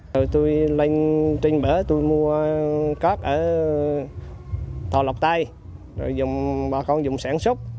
rồi tôi lên trên bể tôi mua cát ở tòa lọc tay rồi dùng bà con dùng sản xuất